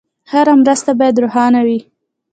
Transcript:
هره مرسته باید روښانه وي.